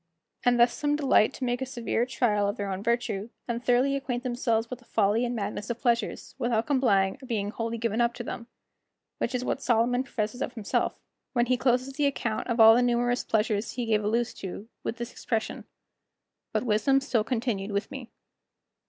And thus some delight to make a severe trial of their own virtue, and thoroughly acquaint themselves with the folly and madness of pleasures, without complying or being wholly given up to them; which is what Solomon professes of himself when he closes the account of all the numerous pleasures he gave a loose to, with this expression: "But wisdom still continued with me."